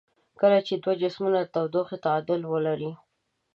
کله چې دوه جسمونه د تودوخې تعادل ولري.